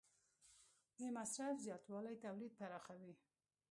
د مصرف زیاتوالی تولید پراخوي.